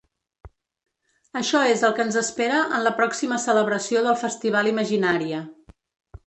Això és el que ens espera en la pròxima celebració del festival Imaginària.